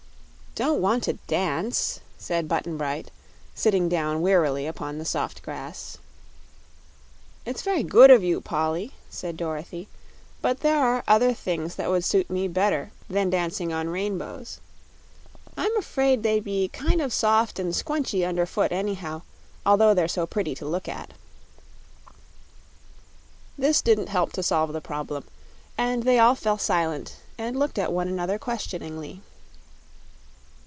"Don't want to dance," said Button Bright, sitting down wearily upon the soft grass. "It's very good of you, Polly," said Dorothy; "but there are other things that would suit me better than dancing on rainbows. I'm 'fraid they'd be kind of soft an' squashy under foot, anyhow, although they're so pretty to look at." This didn't help to solve the problem, and they all fell silent and looked at one another questioningly.